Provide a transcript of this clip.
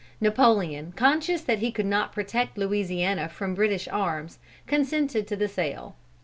Napoleon, conscious that he could not protect Louisiana from British arms, consented to the sale.